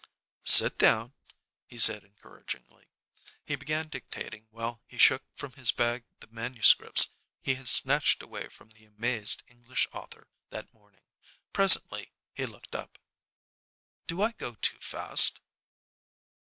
"Sit down," he said encouragingly. He began dictating while he shook from his bag the manuscripts he had snatched away from the amazed English author that morning. Presently he looked up. "Do I go too fast?"